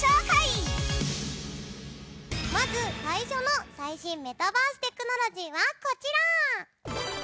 まず最初の最新メタバーステクノロジーはこちら！